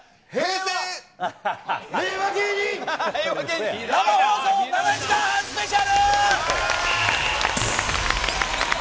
生放送７時間半スペシャル。